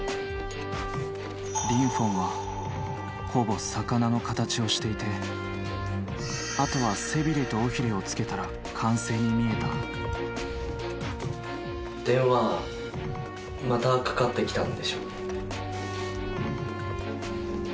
「リンフォンはほぼ魚の形をしていてあとは背びれと尾ひれをつけたら完成に見えた」非通知って表示されてたの。